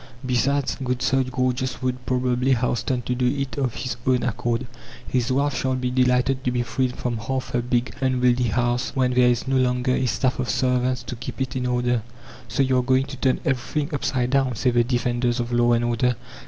Besides, good Sir Gorgeous would probably hasten to do it of his own accord; his wife will be delighted to be freed from half her big, unwieldy house when there is no longer a staff of servants to keep it in order. "So you are going to turn everything upside down," say the defenders of law and order.